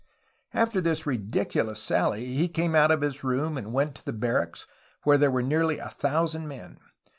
After this ridiculous sally he came out of his room and went to the barracks where there were nearly a thousand men.